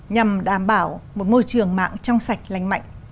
nhằm đảm bảo một môi trường mạng trong sạch lành mạnh